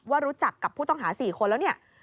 ว่ารู้จักกับผู้ต้องหา๔คนแล้ว